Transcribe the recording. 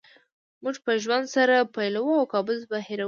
موږ به ژوند له سره پیلوو او کابوس به هېروو